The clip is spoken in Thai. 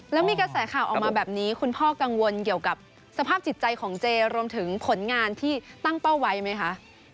แล้วมีกระแสข่าวออกมาแบบนี้คุณพ่อกังวลเกี่ยวกับสภาพจิตใจของเจรวมถึงผลงานที่ตั้งเป้าไว้ไหมคะ